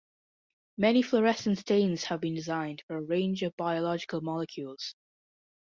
Many fluorescent stains have been designed for a range of biological molecules.